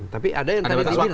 tapi ada yang tadi dijelas